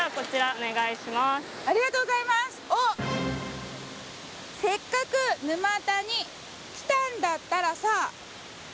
おっ「せっかく沼田に来たんだったらさ」